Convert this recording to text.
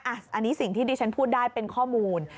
อันนี้สิ่งที่ดิฉันพูดได้เป็นข้อมูล